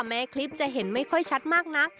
แม้คลิปจะเห็นไม่ชัดมากนะ